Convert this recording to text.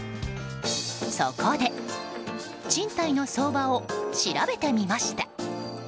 そこで、賃貸の相場を調べてみました。